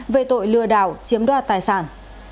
về tội lừa đảo chiếm đoạt tài sản